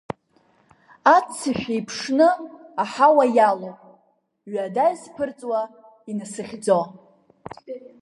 Аццышә еиԥшны аҳауа иалоуп, Ҩада исԥырҵуа, инасыхьӡо.